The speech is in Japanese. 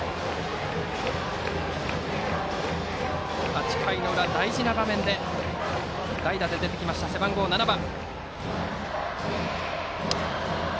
８回の裏、大事な場面で代打で出てきました、背番号７番。